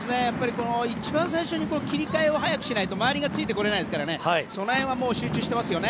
一番最初に切り替えを速くしないと周りがついてこれないですからその辺は集中してますよね。